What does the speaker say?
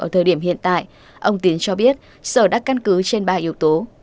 ở thời điểm hiện tại ông tiến cho biết sở đã căn cứ trên ba yếu tố